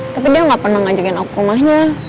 tapi dia enggak pernah ngajakin aku ke rumahnya